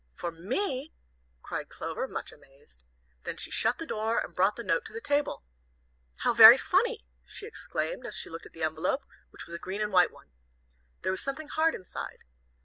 "For me!" cried Clover, much amazed. Then she shut the door, and brought the note to the table. "How very funny!" she exclaimed, as she looked at the envelope, which was a green and white one. There was something hard inside.